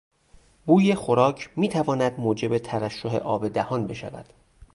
بوی خوراک میتواند موجب ترشح آب دهان بشود.